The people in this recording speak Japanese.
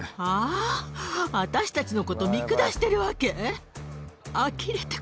私たちのこと見下しているわけ？